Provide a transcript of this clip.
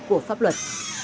của pháp luật